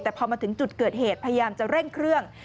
แต่พอมาถึงจุดเกิดเหตุพยายามจะเร่งเครื่อง